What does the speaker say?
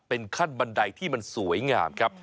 เป็นขั้นบันไดที่มันสวยงามครับ